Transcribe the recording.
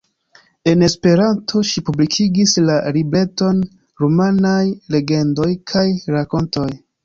En Esperanto, ŝi publikigis la libreton "Rumanaj legendoj kaj rakontoj".